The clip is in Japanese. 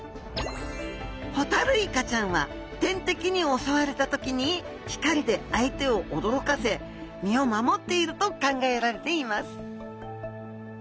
ホタルイカちゃんは天敵に襲われた時に光で相手を驚かせ身を守っていると考えられています